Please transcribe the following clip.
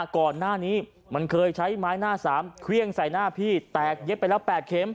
ก่อนหน้านี้มันเคยใช้ไม้หน้าสามเครื่องใส่หน้าพี่แตกเย็บไปแล้ว๘เข็ม